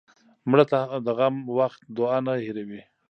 مړه ته د غم وخت دعا نه هېروې